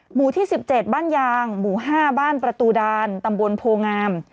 หมู่ที่๑๗บ้านยางหมู่๕บ้านประตูดานตำบลโพงาม